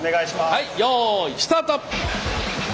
はいよいスタート！